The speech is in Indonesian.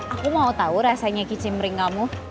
aku mau tahu rasanya kicimring kamu